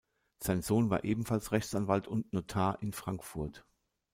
Sein Sohn war ebenfalls Rechtsanwalt und Notar in Frankfurt.